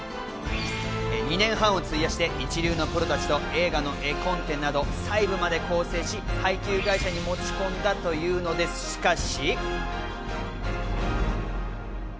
２年半を費やして一流のプロたちと映画の絵コンテなど細部まで構成し、配給会社に持ち込んだというのですが、しかし。